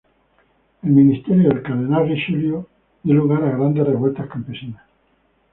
El ministerio del cardenal Richelieu dio lugar a grandes revueltas campesinas.